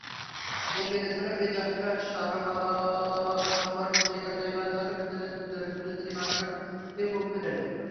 বলিয়া যেন হৃদয়োচ্ছ্বাস সংবরণ করিয়া লইবার জন্য বিনোদিনী অন্য দিকে মুখ ফিরাইল।